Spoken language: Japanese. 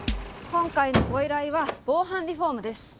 今回のご依頼は防犯リフォームです。